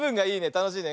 たのしいね。